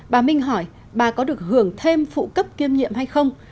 bà minh hỏi bà có được hưởng thêm phụ cấp kiêm nhiệm hay không